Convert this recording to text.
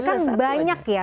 kan banyak ya